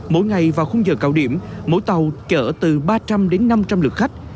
mỗi ngày vào khung giờ cao điểm mỗi tàu chở từ ba trăm linh đến năm trăm linh lượt khách